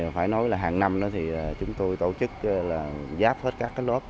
phải nói là hàng năm chúng tôi tổ chức giáp hết các lớp